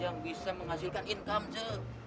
yang bisa menghasilkan income ce